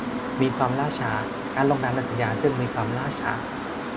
มีความล่าช้า การลงนามในสัญญาจึงมีความล่าช้า